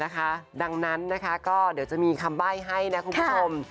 ดังนั้นนะคะก็เดี๋ยวจะมีคำใบ้ให้นะคุณผู้ชม